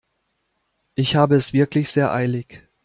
Ich habe es wirklich sehr eilig.